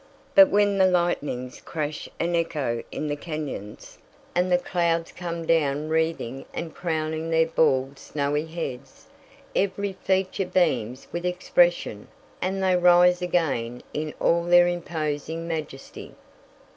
But when the lightnings crash and echo in the cañons, and the clouds come down wreathing and crowning their bald snowy heads, every feature beams with expression and they rise again in all their imposing majesty.